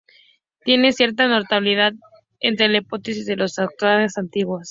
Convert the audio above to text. Tiene cierta notabilidad entre las hipótesis de los astronautas antiguos.